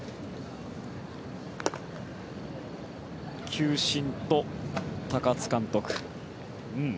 球審と高津監督。